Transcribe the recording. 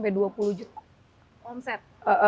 paling kecil ya